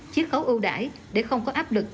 chiếc khấu ưu đãi để không có áp lực